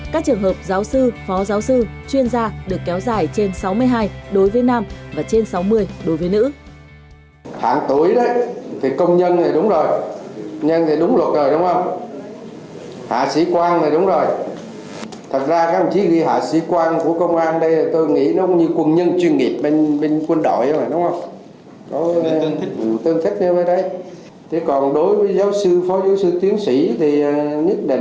các trường hợp giáo sư phó giáo sư chuyên gia được kéo dài trên sáu mươi hai đối với nam và trên sáu mươi đối với nữ